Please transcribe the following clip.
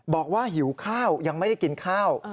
หิวข้าวยังไม่ได้กินข้าว